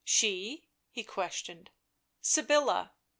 " She ?" he questioned. " Sybilla."